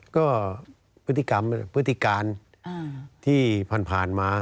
ก็พฤติกรรมพฤติการที่ผ่านมา